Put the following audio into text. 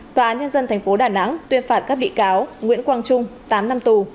tòa án nhân dân tp đà nẵng tuyên phạt các bị cáo nguyễn quang trung tám năm tù